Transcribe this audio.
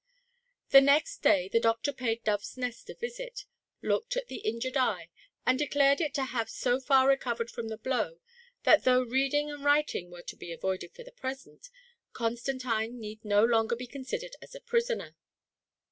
The next day the doctor paid Dove's Nest a visit, looked at the injured eye, and declared it to have so far recovered from the blow, that though reading and writ ing were to be avoided for the present, Constantine need no longer be considered as a prisoner.